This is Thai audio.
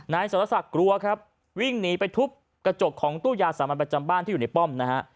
นายสรศักดิ์กลัวครับวิ่งหนีไปทุบกระจกของตู้ยาสามัญประจำบ้านที่อยู่ในป้อมนะฮะ